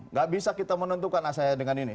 nggak bisa kita menentukan mas ahai dengan ini